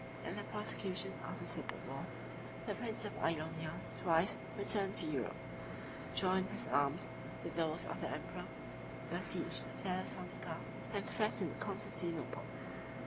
In the prosecution of the civil war, the prince of Ionia twice returned to Europe; joined his arms with those of the emperor; besieged Thessalonica, and threatened Constantinople.